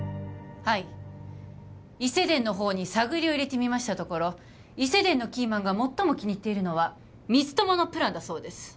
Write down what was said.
はい伊勢電のほうに探りを入れてみましたところ伊勢電のキーマンが最も気に入っているのは光友のプランだそうです